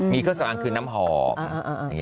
มีเครื่องสำอางคือน้ำหอม